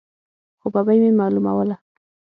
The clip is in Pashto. خو ببۍ مې معلوموله.